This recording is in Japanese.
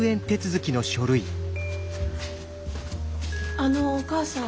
あのお母さん。